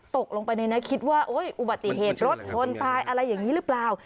ตกลงไปในนั้นคิดว่าอุบัติเหตุรถชนตายอะไรอย่างนี้หรือเปล่า